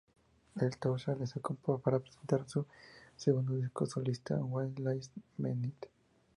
El tour se realizó para presentar su segundo disco solista, "What Lies Beneath".